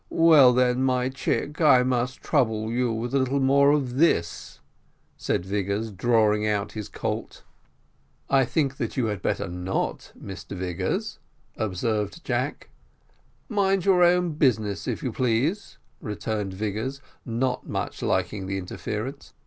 well then, my chick, I must trouble you with a little more of this," said Vigors, drawing out his colt. "I think that you had better not, Mr Vigors," observed Jack. "Mind your own business, if you please," returned Vigors, not much liking the interference.